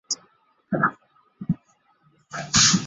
卷末刊登吉泽务的采访。